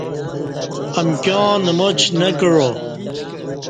امکیاں نماچ نہ کعا